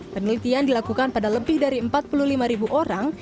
penelitian dilakukan pada lebih dari empat puluh lima ribu orang